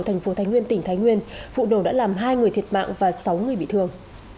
thành phố thái nguyên tỉnh thái nguyên vụ nổ đã làm hai người thiệt mạng và sáu người bị thương